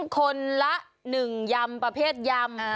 คนละ๑ยำประเภทยำ